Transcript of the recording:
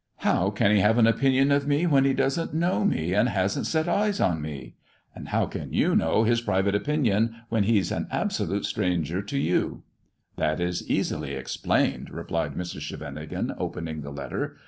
"How can he have an opinion of me when he doesn't know me and hasn't set eyes on me 1 And how can you know his private opinion when he's an absolute stranger to youl" " That is easily explained," replied Mrs. Scheveningen, opening the letter.